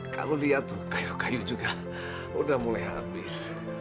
kalau lihat tuh kayu kayu juga udah mulai habis